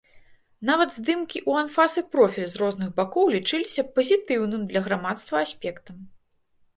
Нават здымкі у анфас і профіль з розных бакоў лічыліся пазітыўным для грамадства аспектам.